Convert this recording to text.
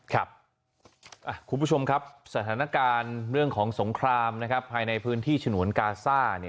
คุณผู้ชมครับสถานการณ์เรื่องของสงครามภายในพื้นที่ฉนวนกาซ่า